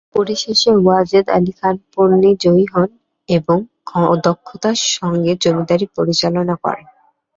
পরিশেষে ওয়াজেদ আলী খান পন্নী জয়ী হন এবং দক্ষতার সঙ্গে জমিদারি পরিচালনা করেন।